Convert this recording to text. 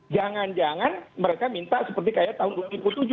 jangan jangan mereka minta seperti kayak tahun dua ribu tujuh